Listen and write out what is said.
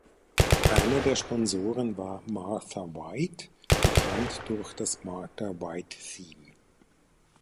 Einer der Sponsoren war Martha White, bekannt durch das „Martha White Theme“.